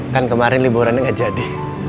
kan kemarin liburan gak jadi